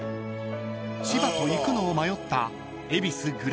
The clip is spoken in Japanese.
［千葉と行くのを迷った］